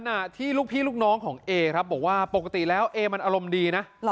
ที่ลูกพี่ลูกน้องของเอครับบอกว่าปกติแล้วเอมันอารมณ์ดีนะ